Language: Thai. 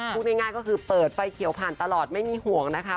พูดง่ายก็คือเปิดไฟเขียวผ่านตลอดไม่มีห่วงนะคะ